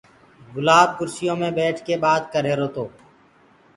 گُلآب ڪُرسيو مي ٻيٺڪي بآت ڪريهروتو